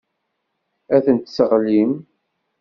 Ad tent-tesseɣlim.